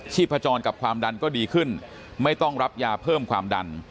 พจรกับความดันก็ดีขึ้นไม่ต้องรับยาเพิ่มความดัน